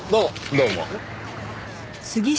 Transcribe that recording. どうも。